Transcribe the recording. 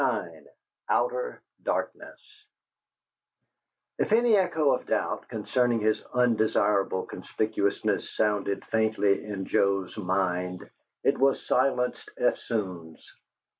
IX "OUTER DARKNESS" If any echo of doubt concerning his undesirable conspicuousness sounded faintly in Joe's mind, it was silenced eftsoons.